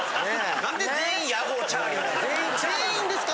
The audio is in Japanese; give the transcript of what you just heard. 全員ですか？